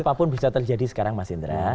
apapun bisa terjadi sekarang mas indra